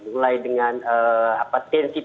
mulai dengan tensitas